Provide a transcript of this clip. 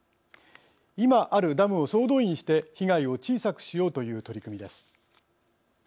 今あるダムを総動員して被害を小さくしようという取り組みです。